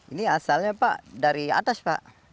ini asalnya pak dari atas pak